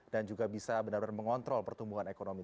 juga bisa benar benar mengontrol pertumbuhan ekonomi